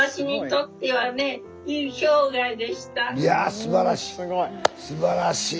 すごい。いやすばらしい！